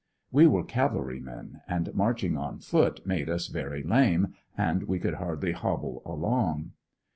We were cavalrymen, and marching on foot made us very lame, and we could hardly hobble along.